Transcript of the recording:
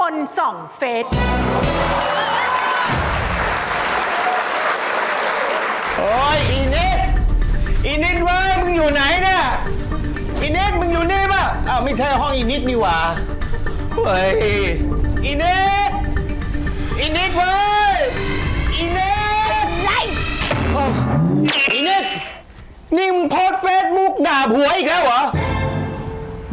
นี่มึงโพสเฟสบุ๊คด่าผัวอีกแล้วเหรอ